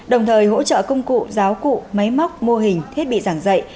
đồng thời hỗ trợ công cụ giáo cụ máy móc mô hình thiết bị giảng dạy